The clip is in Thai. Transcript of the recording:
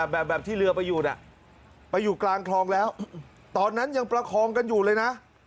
แบบที่เรือไปอยู่น่ะไปอยู่กลางคลองแล้วตอนนั้นยังประคองกันอยู่เลยนะ